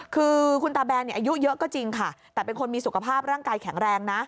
คือคุณตาแบนอายุเยอะก็จริงค่ะแต่เป็นคนมีสุขภาพร่างกายแข็งแรงนะ